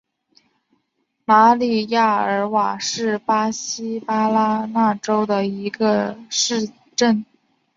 马里亚尔瓦是巴西巴拉那州的一个市镇。